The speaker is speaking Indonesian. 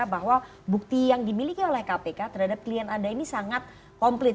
bahwa bukti yang dimiliki oleh kpk terhadap klien anda ini sangat komplit